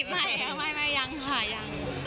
ไม่ค่ะไม่ยังค่ะยัง